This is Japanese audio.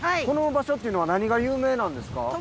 この場所っていうのは何が有名なんですか？